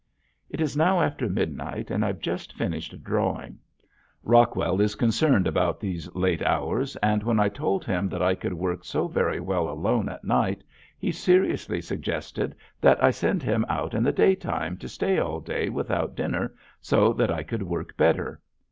It is now after midnight and I've just finished a drawing. Rockwell is concerned about these late hours and when I told him that I could work so very well alone at night he seriously suggested that I send him out in the daytime to stay all day without dinner so that I could work better.